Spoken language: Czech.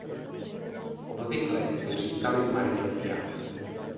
Obvykle jí říkali "Marie Pia".